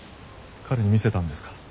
彼に見せたんですか？